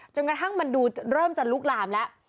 กระทั่งมันดูเริ่มจะลุกลามแล้ว